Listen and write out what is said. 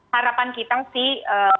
harapan kita sih